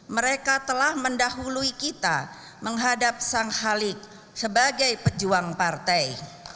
mereka telah mendahului kita menghadap sang halik sebagai pejuang partai